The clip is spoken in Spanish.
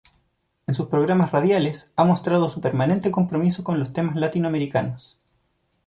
En sus programas radiales ha mostrado su permanente compromiso con los temas latinoamericanos.